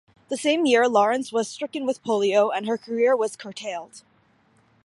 The same year, Lawrence was stricken with polio and her career was curtailed.